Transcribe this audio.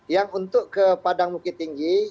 yang untuk ke padang bukit tinggi